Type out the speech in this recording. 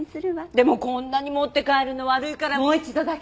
でもこんなに持って帰るの悪いからもう一度だけ。